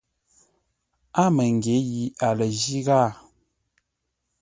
A məngyě yi a lə jí ghâa.